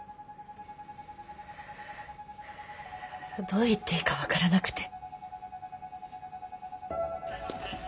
どう言っていいか分からなくて。